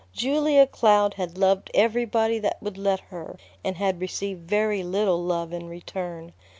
Julia Cloud had loved everybody that would let her, and had received very little love in return.